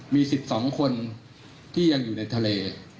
มี๑๒คนที่ยังอยู่ในทะเล